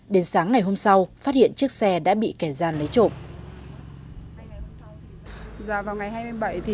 đến sáng ngày hôm sau phát hiện chiếc xe đã bị kẻ gian lấy trộm